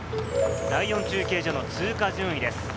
第４中継所の通過順位です。